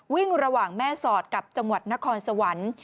วิ่งระหว่างแม่สอดกับจังหวัดนครสวรรค์